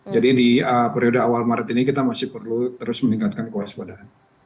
jadi di periode awal maret ini kita masih perlu terus meningkatkan kuasa badan